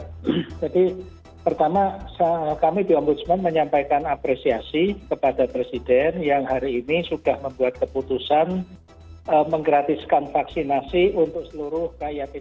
jadi pertama kami di om busman menyampaikan apresiasi kepada presiden yang hari ini sudah membuat keputusan menggratiskan vaksinasi untuk seluruh rakyat indonesia